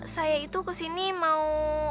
saya itu kesini mau